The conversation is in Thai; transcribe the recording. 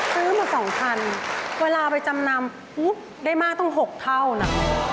ซื้อมา๒๐๐๐เวลาไปจำนำปุ๊บได้มากต้อง๖เท่านะ